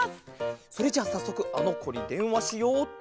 それじゃあさっそくあのこにでんわしようっと。